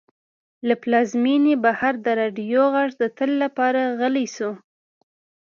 له پلازمېنې بهر د راډیو غږ د تل لپاره غلی شو.